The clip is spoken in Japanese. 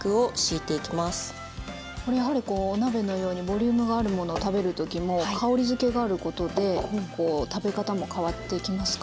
これやはりこうお鍋のようにボリュームがあるものを食べる時も香りづけがあることで食べ方も変わってきますか？